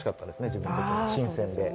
自分的に、新鮮で。